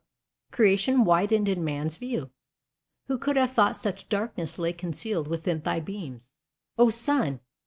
Creation widened in man's view. Who could have thought such darkness lay concealed Within thy beams, O Sun!